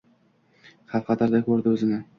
Xavf-xatarda koʼrdi oʼzni.